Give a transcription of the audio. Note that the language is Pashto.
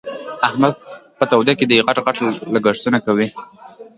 احمد په توده کې؛ غټ غټ لګښتونه کوي.